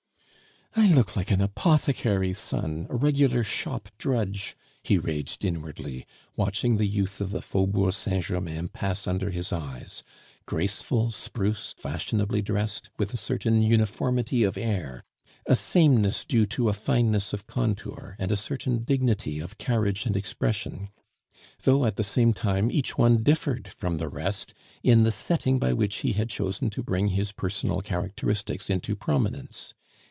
"I look like an apothecary's son, a regular shop drudge," he raged inwardly, watching the youth of the Faubourg Saint Germain pass under his eyes; graceful, spruce, fashionably dressed, with a certain uniformity of air, a sameness due to a fineness of contour, and a certain dignity of carriage and expression; though, at the same time, each one differed from the rest in the setting by which he had chosen to bring his personal characteristics into prominence.